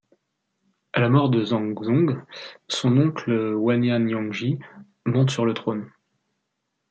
À la mort de Zhangzong, son oncle Wanyan Yongji monte sur le trône.